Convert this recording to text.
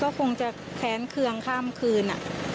ก็คงจะแค้นเครื่องข้ามคืน